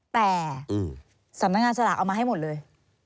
แต่สำนักงานสลากเอามาให้หมดเลย